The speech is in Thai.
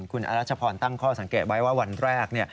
คุณอรัชพรตั้งข้อสังเกตไว้ว่าวันแรก